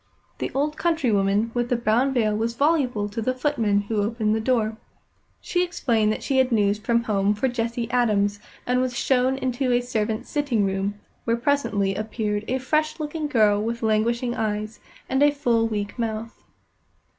The old countrywoman with the brown veil was voluble to the footman who opened the door. She explained that she had news from home for Jessie Adams, and was shown into a servant's sitting room, where presently appeared a fresh looking girl with languishing eyes, and a full, weak mouth.